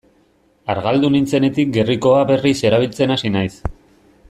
Argaldu nintzenetik gerrikoa berriz erabiltzen hasi naiz.